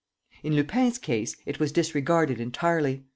In Lupin's case it was disregarded entirely.